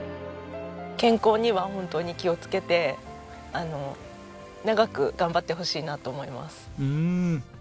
健康には本当に気をつけて長く頑張ってほしいなと思います。